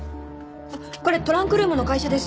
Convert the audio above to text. これトランクルームの会社ですよ。